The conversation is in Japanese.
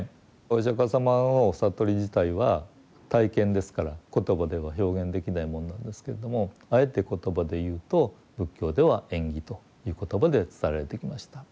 お釈迦様の悟り自体は体験ですから言葉では表現できないものなんですけれどもあえて言葉で言うと仏教では縁起という言葉で伝えられてきました。